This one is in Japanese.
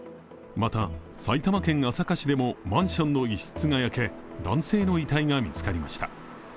また、埼玉県朝霞市でもマンションの一室が焼け、男性の遺体が見つかりました。